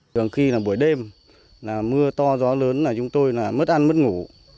thường khi là buổi đêm mưa to gió lớn là chúng tôi mất ăn mất ngủ